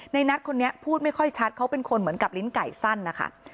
ในนัทคนนี้พูดไม่ค่อยชัดเขาเป็นคนเหมือนกับลิ้นไก่สั้นนะคะ